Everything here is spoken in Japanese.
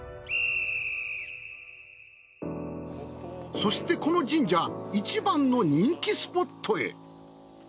そしてこの神社一番の人気スポットへ。